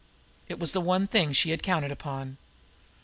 It was the one thing she had counted upon.